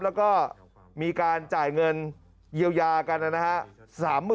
แล้วก็มีการจ่ายเงินเยียวยากันนะฮะ